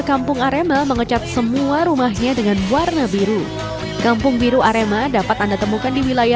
kampung biru arema